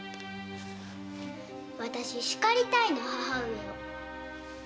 私叱りたいの母上を。